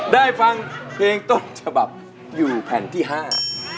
ได้ฟังเพลงต้นฉบับอยู่แผ่นที่ห้า